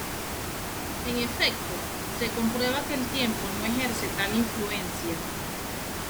En efecto, se comprueba que el tiempo no ejerce tal influencia".